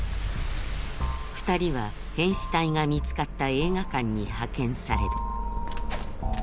二人は変死体が見つかった映画館に派遣される